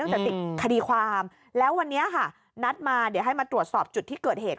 จะติดคดีความแล้ววันนี้ค่ะนัดมาเดี๋ยวให้มาตรวจสอบจุดที่เกิดเหตุ